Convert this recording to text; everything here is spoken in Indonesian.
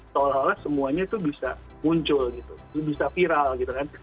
seolah olah semuanya itu bisa muncul gitu bisa viral gitu kan